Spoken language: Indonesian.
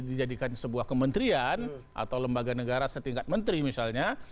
dijadikan sebuah kementerian atau lembaga negara setingkat menteri misalnya